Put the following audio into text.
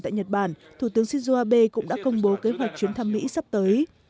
tại nhật bản thủ tướng shinzo abe cũng đã công bố kế hoạch chuyến thăm mỹ sắp tới